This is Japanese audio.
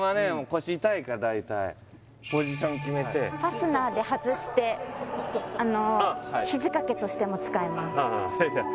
腰痛いから大体ポジション決めてファスナーで外して肘掛けとしても使えます